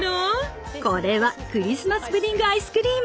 これはクリスマスプディング・アイスクリーム。